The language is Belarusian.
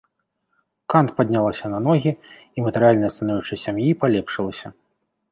Кант паднялася на ногі, і матэрыяльнае становішча сям'і палепшылася.